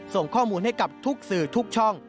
ส่งข้อมูลให้กับทุกสื่อทุกช่อง